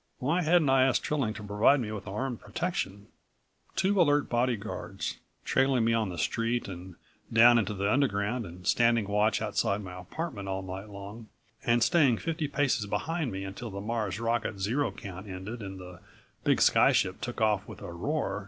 Why hadn't I asked Trilling to provide me with armed protection? Two alert bodyguards, trailing me on the street and down into the Underground and standing watch outside my apartment all night long and staying fifty paces behind me until the Mars' rocket zero count ended and the big sky ship took off with a roar